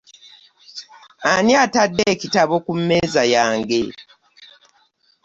Ani atadde ekitabo ku mmeeza yange?